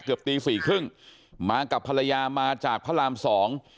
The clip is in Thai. เกือบตีสี่ครึ่งมากับภรรยามาจากพระรามสอง